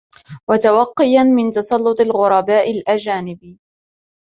وَتَوَقِّيًا مِنْ تَسَلُّطِ الْغُرَبَاءِ الْأَجَانِبِ